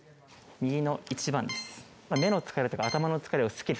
右の１番です。